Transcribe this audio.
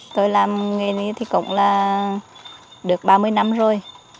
tôi làm nghề này thì cũng là được ba mươi năm rồi